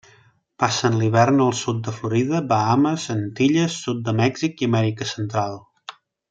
Passen l'hivern al sud de Florida, Bahames, Antilles, sud de Mèxic i Amèrica Central.